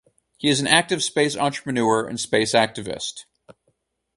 He is an active space entrepreneur and space activist.